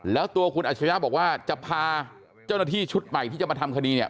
แล้วตัวคุณอัชริยะบอกว่าจะพาเจ้าหน้าที่ชุดใหม่ที่จะมาทำคดีเนี่ย